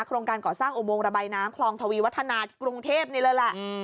โรงการก่อสร้างอุโมงระบายน้ำคลองทวีวัฒนากรุงเทพนี่เลยแหละ